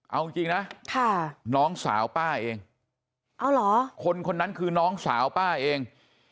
เอาจริงนะน้องสาวป้าเองเอาเหรอคนคนนั้นคือน้องสาวป้าเอง